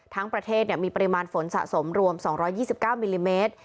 ทั้งประเทศมีปริมาณฝนสะสมรวม๒๒๙มิลลิเมตร